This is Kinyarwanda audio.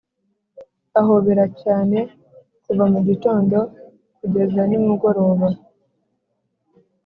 ahobera cyane kuva mugitondo kugeza nimugoroba.